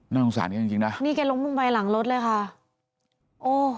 สงสารแกจริงจริงนะนี่แกล้มลงไปหลังรถเลยค่ะโอ้